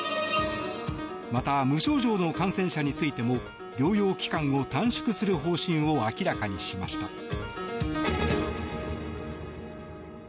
また、無症状の感染者についても療養期間を短縮する方針を明らかにしました。